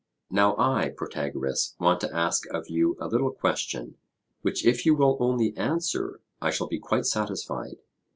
Now I, Protagoras, want to ask of you a little question, which if you will only answer, I shall be quite satisfied.